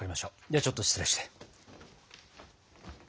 ではちょっと失礼して。